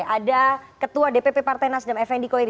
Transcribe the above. ada ketua dpp partai nasdem fnd koiri